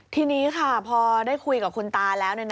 ทีนี้ค่ะพอได้คุยกับคุณตาแล้ว